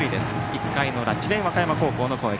１回の裏、智弁和歌山高校の攻撃。